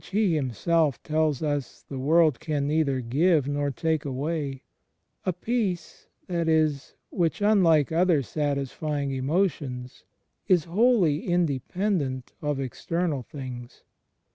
He Himself tells us, the world can neither give nor take away — a Peace, that is, which, imlike other satisfying emotions, is wholly independent of external things.